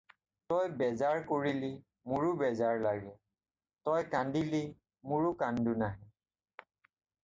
তই বেজাৰ কৰিলি মুৰো বেজাৰ লাগে, তই কান্দিলি মুৰো কান্দুন আহে।